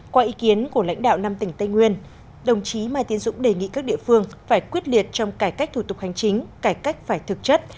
qua ý kiến của lãnh đạo năm tỉnh tây nguyên đồng chí mai tiến dũng đề nghị các địa phương phải quyết liệt trong cải cách thủ tục hành chính cải cách phải thực chất